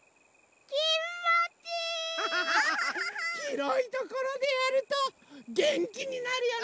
ひろいところでやるとげんきになるよね！